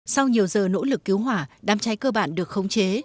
sau nhiều giờ nỗ lực cứu hỏa đám cháy cơ bản được khống chế